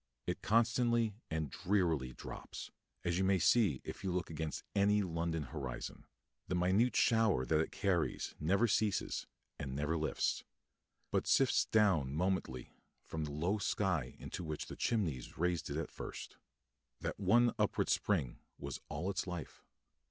It constantly and drearily drops, as you may see if you look against any London horizon; the minute shower that it carries never ceases and never lifts, but sifts down momently from the low sky into which the chimneys raised it at first. That one upward spring was all its life.